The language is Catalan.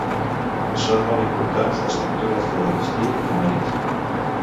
Són molt importants les captures de llagostí i de marisc.